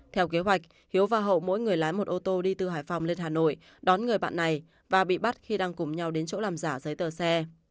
theo kế hoạch hiếu và hậu mỗi người lái một ô tô đi từ hải phòng lên hà nội đón người bạn này và bị bắt khi đang cùng nhau đến chỗ làm giả giấy tờ xe